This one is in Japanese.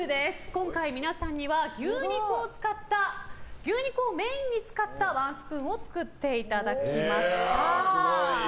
今回、皆さんには牛肉をメインに使ったワンスプーンを作っていただきました。